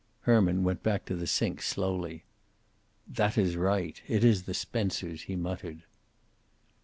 Herman went back to the sink, slowly. "That is right. It is the Spencers," he muttered.